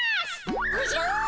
おじゃ！